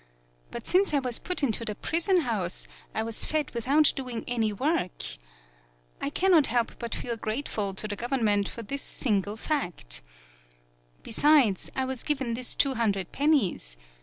But since I was put into the prison house I was fed without doing any work. I cannot help but feel grate ful to the government for this single fact. Besides, I was given this two hundred pennies.